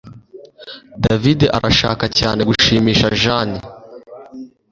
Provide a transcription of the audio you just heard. David arashaka cyane gushimisha Jane